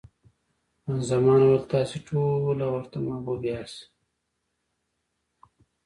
خان زمان وویل، تاسې ټوله ورته محبوب یاست.